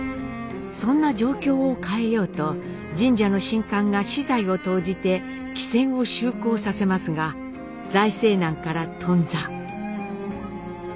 そんな状況を変えようと神社の神官が私財を投じて汽船を就航させますが財政難から頓挫。